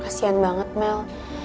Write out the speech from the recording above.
kasian banget mel